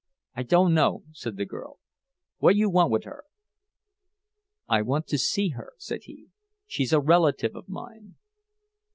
"I dunno," said the girl. "What you want wid her?" "I want to see her," said he; "she's a relative of mine."